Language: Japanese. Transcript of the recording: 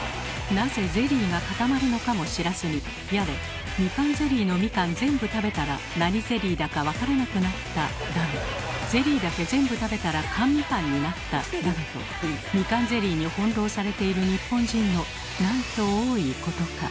なぜゼリーが固まるのかも知らずにやれ「みかんゼリーのみかん全部食べたら何ゼリーだか分からなくなった」だの「ゼリーだけ全部食べたら缶みかんになった」だのとみかんゼリーに翻弄されている日本人のなんと多いことか。